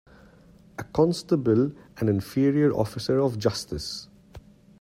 A constable an inferior officer of justice